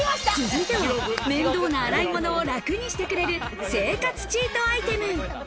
続いては面倒な洗い物を楽にしてくれる生活チートアイテム。